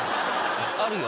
あるよ